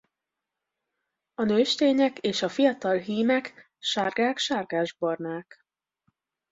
A nőstények és a fiatal hímek sárgák-sárgásbarnák.